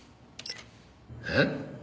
えっ？